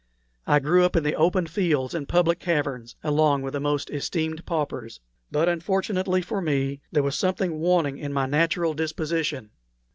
I grew up in the open fields and public caverns, along with the most esteemed paupers. But, unfortunately for me, there was something wanting in my natural disposition.